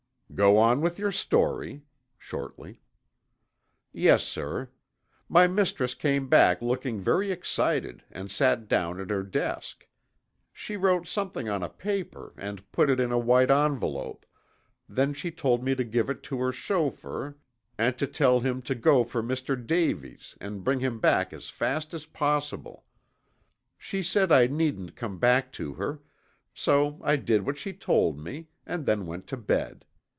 "Go on with your story," shortly. "Yes, sir. My mistress came back looking very excited and sat down at her desk. She wrote something on a paper and put it in a white envelope, then she told me to give it to her chauffeur and to tell him to go for Mr. Davies and bring him back as fast as possible. She said I needn't come back to her, so I did what she told me and then went to bed.